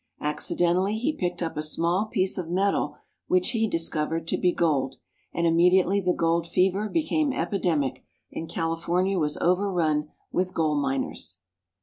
Accidentally he picked up a small piece of metal which he discovered to be gold, and immediately the gold fever became epidemic, and California was overrun with gold miners.